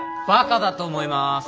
バカだと思います。